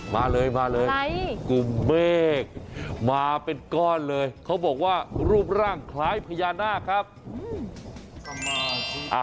มาเลยมาเลยกลุ่มเมฆมาเป็นก้อนเลยเขาบอกว่ารูปร่างคล้ายพญานาคครับ